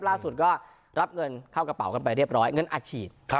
ล่าสุดก็รับเงินเข้ากระเป๋ากันไปเรียบร้อยเงินอัดฉีด